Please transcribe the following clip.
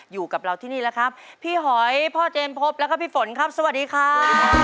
อยู่กับเราที่นี่แล้วครับพี่หอยพ่อเจมส์พบแล้วก็พี่ฝนครับสวัสดีครับ